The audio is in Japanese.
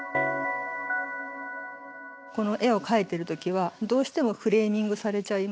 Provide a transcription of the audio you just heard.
この絵を描いている時はどうしてもフレーミングされちゃいますよね。